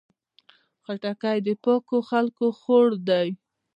خټکی د پاکو خلکو خوړ دی.